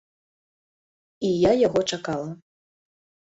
І я яго чакала.